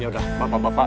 yaudah bapak bapak